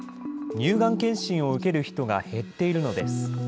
乳がん検診を受ける人が減っているのです。